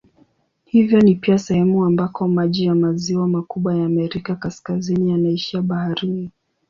Hivyo ni pia sehemu ambako maji ya maziwa makubwa ya Amerika Kaskazini yanaishia baharini.